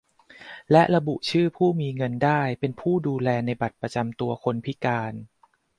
และระบุชื่อผู้มีเงินได้เป็นผู้ดูแลในบัตรประจำตัวคนพิการ